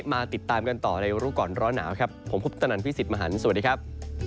มาติดตามกันต่อในรู้ก่อนร้อนหนาวครับผมคุปตนันพี่สิทธิ์มหันฯสวัสดีครับ